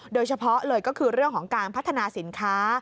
โดยเฉพาะเลยก็คือเรื่องของการพัฒนาสินค้า